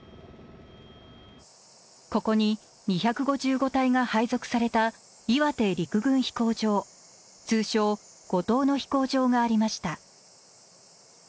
ここに二五五隊が配属された岩手陸軍飛行場通称後藤野飛行場がありました。